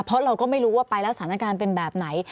เพราะเราก็ไม่รู้ว่าไปแล้วสถานการณ์เป็นแบบไหน